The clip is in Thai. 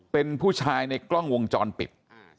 เป็นผู้ชายในกล้องวงจรปิด